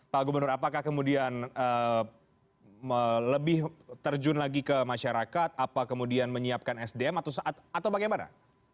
pak gubernur apakah kemudian lebih terjun lagi ke masyarakat apa kemudian menyiapkan sdm atau bagaimana